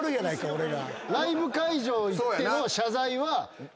俺が。